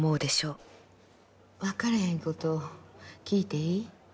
分かれへんこと聞いていい？